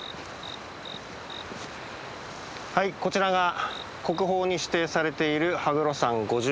はいこちらが国宝に指定されている羽黒山五重塔です。